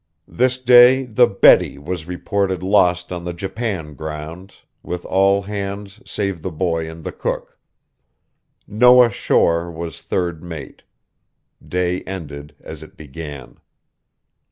This day the Betty was reported lost on the Japan grounds, with all hands save the boy and the cook. Noah Shore was third mate. Day ended as it began."